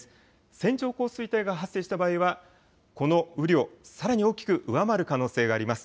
線状降水帯が発生した場合は、この雨量、さらに大きく上回る可能性があります。